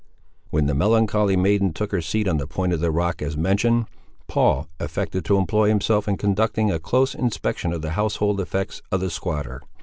When the melancholy maiden took her seat on the point of the rock as mentioned, Paul affected to employ himself in conducting a close inspection of the household effects of the squatter.